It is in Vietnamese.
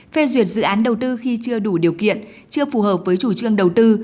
phê duyệt dự án đầu tư khi chưa đủ điều kiện chưa phù hợp với chủ trương đầu tư